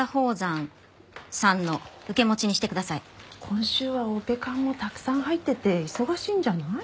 今週はオペ看もたくさん入ってて忙しいんじゃない？